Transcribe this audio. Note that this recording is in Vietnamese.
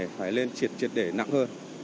phải lên triệt để nặng hơn